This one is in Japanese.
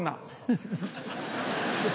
フフフ。